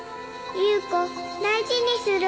夕子大事にする